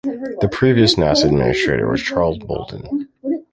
The previous NASA administrator was Charles Bolden.